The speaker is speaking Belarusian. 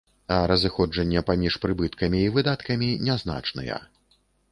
А разыходжанне паміж прыбыткамі і выдаткамі нязначныя.